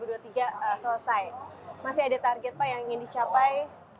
masih ada target pak yang ingin dicapai